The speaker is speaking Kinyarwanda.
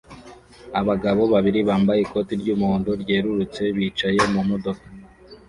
Abagabo babiri bambaye ikoti ry'umuhondo ryerurutse bicaye mu modoka